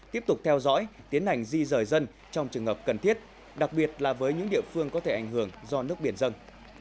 tiếp tục theo dõi tiến hành di rời dân trong trường hợp cần thiết đặc biệt là với những địa phương có thể ảnh hưởng do nước biển dân